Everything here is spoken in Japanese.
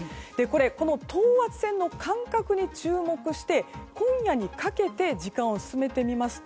この等圧線の間隔に注目して今夜にかけて時間を進めてみますと